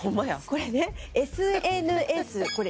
これね「ＳＮＳ」これ６です。